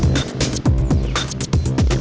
wah keren banget